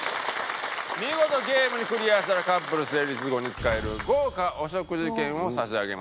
見事ゲームにクリアしたらカップル成立後に使える豪華お食事券を差し上げます。